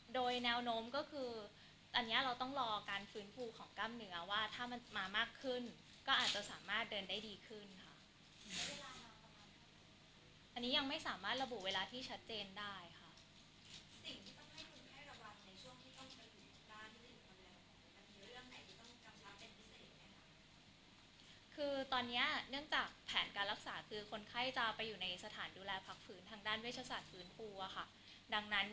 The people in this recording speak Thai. โดยแนวโน้มก็คือตอนนี้เราต้องรอการฟื้นฟูของกรรมเหนือว่าถ้ามันมามากขึ้นก็อาจจะสามารถเดินได้ดีขึ้นค่ะอันนี้ยังไม่สามารถระบุเวลาที่ชัดเจนได้ค่ะคือตอนนี้เนื่องจากแผนการรักษาคือคนไข้จะไปอยู่ในสถานดูแลพักฟื้นทางด้านเวชศาสตร์ฟื้นฟูอะค่ะ